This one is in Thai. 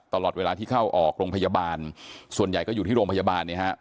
ตลอดเวลาที่เข้าออกโรงพยาบาลส่วนใหญ่ก็อยู่ที่โรงพยาบาลเนี่ยฮะ